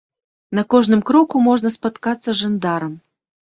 На кожным кроку можна спаткацца з жандарам.